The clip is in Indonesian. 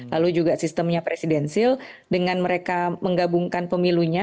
lalu juga sistemnya presidensil dengan mereka menggabungkan pemilunya